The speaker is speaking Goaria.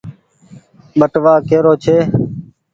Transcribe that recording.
ٻٽوآ ڪيرو ڇي۔